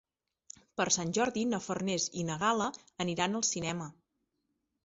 Per Sant Jordi na Farners i na Gal·la aniran al cinema.